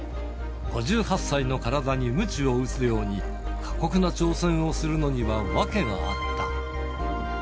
５８歳の体にむちを打つように、過酷な挑戦をするのには訳があった。